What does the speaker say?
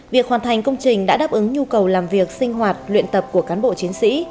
việc hoàn thành công trình đã đáp ứng nhu cầu làm việc sinh hoạt luyện tập của cán bộ chiến sĩ